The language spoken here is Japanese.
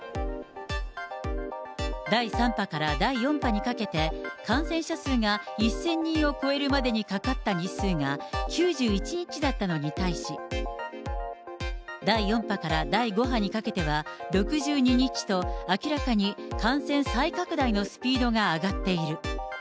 第３波から第４波にかけて、感染者数が１０００人を超えるまでにかかった日数が９１日だったのに対し、第４波から第５波にかけては６２日と、明らかに感染再拡大のスピードが上がっている。